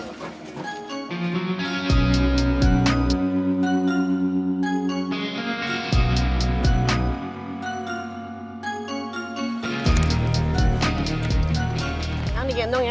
sekarang digendong ya